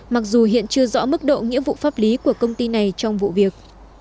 mặc dù hiện chưa rõ mức độ nghĩa vụ pháp lý của công ty này trong vụ việc